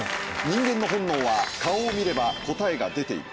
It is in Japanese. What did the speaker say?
人間の本能は顔を見れば答えが出ている。